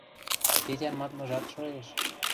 — Тетян мадмыжат шоэш...